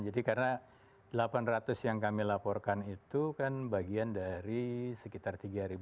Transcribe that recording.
jadi karena delapan ratus yang kami laporkan itu kan bagian dari sekitar tiga enam ratus